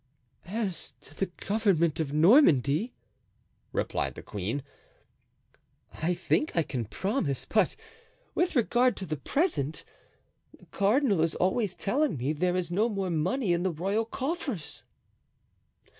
"As to the government of Normandy," replied the queen, "I think I can promise; but with regard to the present, the cardinal is always telling me there is no more money in the royal coffers."